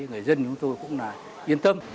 người dân chúng tôi cũng là yên tâm